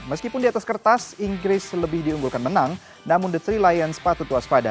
meskipun di atas kertas inggris lebih diunggulkan menang namun the tiga lions patut waspada